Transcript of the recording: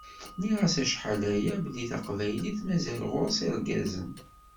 Nniɣ-as acḥal aya belli taqbaylit mazal ɣur-s irgazen